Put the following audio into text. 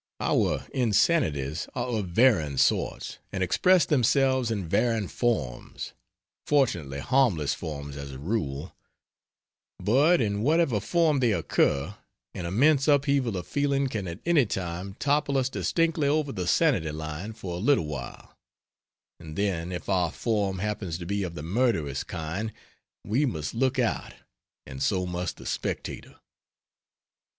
Our insanities are of varying sorts, and express themselves in varying forms fortunately harmless forms as a rule but in whatever form they occur an immense upheaval of feeling can at any time topple us distinctly over the sanity line for a little while; and then if our form happens to be of the murderous kind we must look out and so must the spectator.